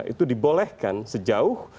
itu dibolehkan sejauh